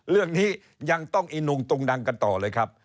เรื่องนี้ยังต้องอีนุงตุงดังกันต่อเลยครับ